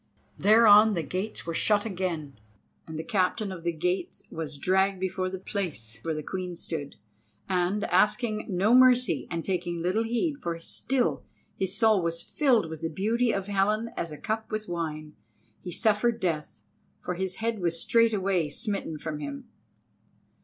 Thereon the gates were shut again, and the captain of the gates was dragged before the place where the Queen stood, and asking no mercy and taking little heed, for still his soul was filled with the beauty of Helen as a cup with wine, he suffered death, for his head was straightway smitten from him.